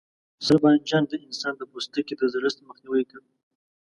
سره بانجان د انسان د پوستکي د زړښت مخنیوی کوي.